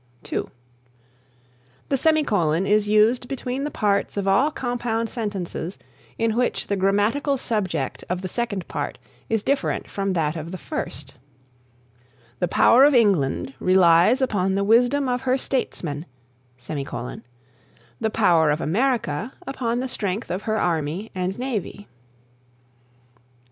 (2) The Semicolon is used between the parts of all compound sentences in which the grammatical subject of the second part is different from that of the first: "The power of England relies upon the wisdom of her statesmen; the power of America upon the strength of her army and navy."